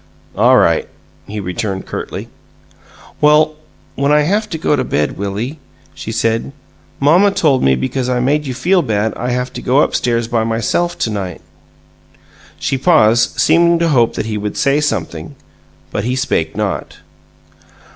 "All right!" he returned, curtly. "Well, when I haf to go to bed, Willie," she said, "mamma told me because I made you feel bad I haf to go up stairs by myself, to night." She paused, seeming to hope that he would say something, but he spake not.